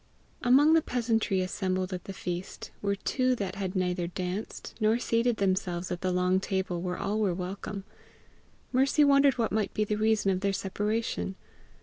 Among the peasantry assembled at the feast, were two that had neither danced, nor seated themselves at the long table where all were welcome. Mercy wondered what might be the reason of their separation.